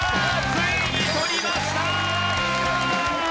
ついに取りました！